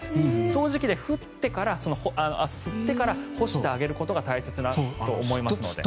掃除機で吸ってから干してあげることが大切だと思いますので。